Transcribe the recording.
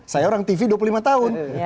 saya orang tv dua puluh lima tahun